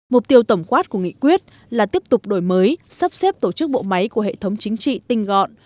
mục tiêu tổng quát của nghị quyết là tiếp tục đổi mới sắp xếp tổ chức bộ máy của hệ thống chính trị tinh gọn